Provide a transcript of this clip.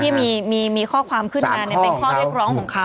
ที่มีข้อความขึ้นมาเป็นข้อเรียกร้องของเขา